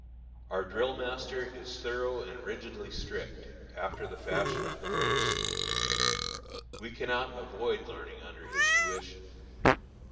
Our drill master is thorough and rigidly strict, after the fashion of the French schools. We cannot avoid learning under his tuition.